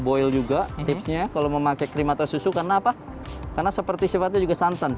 boy juga tipsnya kalau memakai krim atau susu karena apa karena seperti sifatnya juga santan